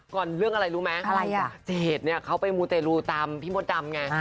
เรื่องอะไรรู้ไหมอะไรอ่ะเจดเนี่ยเขาไปมูเตรลูตามพี่มดดำไง